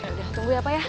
udah tunggu ya pak ya